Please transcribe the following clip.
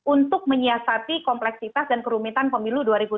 untuk menyiasati kompleksitas dan kerumitan pemilu dua ribu dua puluh